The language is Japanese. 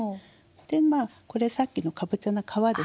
でこれさっきのかぼちゃの皮ですね。